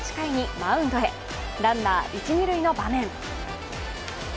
ランナー、一・二塁の場面。